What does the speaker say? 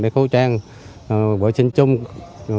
khẩu trang vệ sinh chung